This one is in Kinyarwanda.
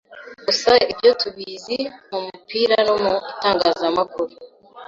Gusa ibyo tubizi mu mupira no mu itangazamakuru